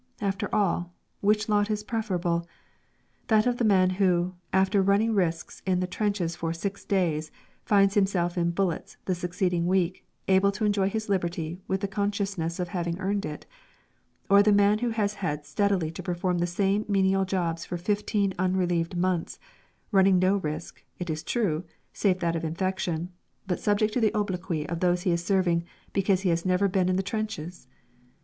After all, which lot is preferable? That of the man who, after running risks in the trenches for six days, finds himself in billets the succeeding week, able to enjoy his liberty with the consciousness of having earned it or the man who has had steadily to perform the same menial jobs for fifteen unrelieved months, running no risk, it is true, save that of infection, but subject to the obloquy of those he is serving because he has never been in the trenches?